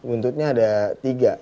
untutnya ada tiga